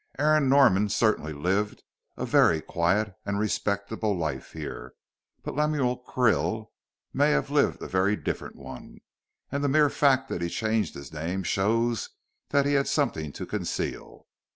Aaron Norman certainly lived a very quiet and respectable life here. But Lemuel Krill may have lived a very different one, and the mere fact that he changed his name shows that he had something to conceal.